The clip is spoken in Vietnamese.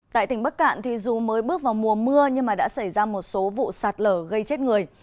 tại tỉnh bắc cạn dù mới bước vào mùa mưa nhưng đã xảy ra một số vụ sạt lở gây chết người